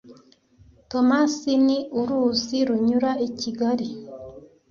tomasi ni uruzi runyura i kigali